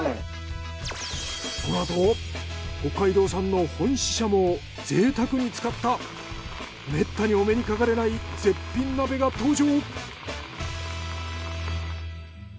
このあと北海道産の本シシャモを贅沢に使っためったにお目にかかれない絶品鍋が登場。